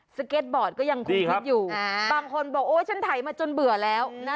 สเก็ตบอร์ดก็ยังคงคิดอยู่บางคนบอกโอ๊ยฉันถ่ายมาจนเบื่อแล้วนะ